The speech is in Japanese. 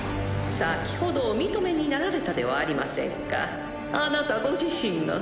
先ほどお認めになられたではありませんかあなたご自身が。